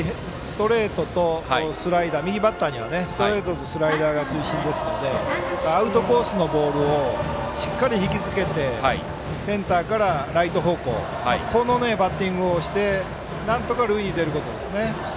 右バッターにはストレートとスライダーが中心ですのでアウトコースのボールをしっかり引き付けてセンターからライト方向へのバッティングをしてなんとか塁に出ることですね。